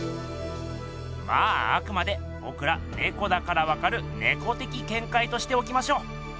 まああくまでぼくらねこだからわかる「ねこ的見解」としておきましょう。